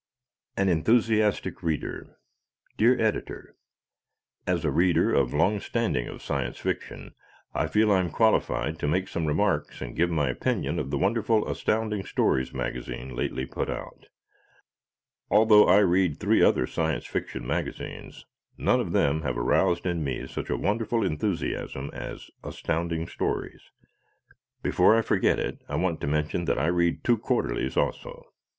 An Enthusiastic Reader Dear Editor: As a reader of long standing of Science Fiction I feel I am qualified to make some remarks and give my opinion of the wonderful Astounding Stories magazine lately put out. Although I read three other Science Fiction magazines none of them have aroused in me such a wonderful enthusiasm as Astounding Stories. Before I forget it I want to mention that I read two quarterlies also.